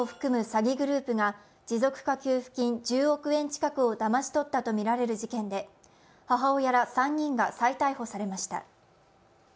詐欺グループが持続化給付金１０億円近くをだまし取ったとみられる事件で母親ら３人が再逮捕されました。